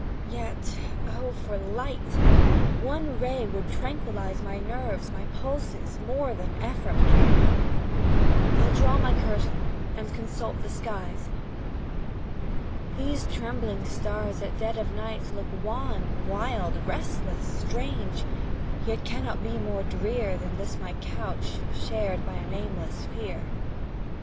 Yet, oh, for light! one ray would tranquillize My nerves, my pulses, more than effort can; I'll draw my curtain and consult the skies: These trembling stars at dead of night look wan, Wild, restless, strange, yet cannot be more drear Than this my couch, shared by a nameless fear.